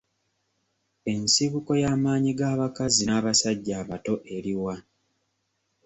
Ensibuko y'amaanyi g'abakazi n'abasajja abato eriwa?